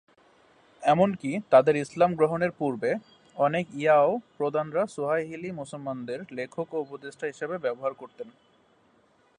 এমনকি তাদের ইসলাম গ্রহণের পূর্বে, অনেক ইয়াও প্রধানরা সোয়াহিলি মুসলমানদের লেখক এবং উপদেষ্টা হিসেবে ব্যবহার করতেন।